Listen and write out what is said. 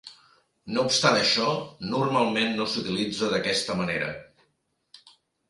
No obstant això, normalment no s'utilitza d'aquesta manera.